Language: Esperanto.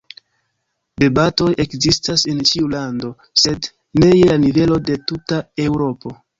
Debatoj ekzistas en ĉiu lando, sed ne je la nivelo de tuta Eŭropo.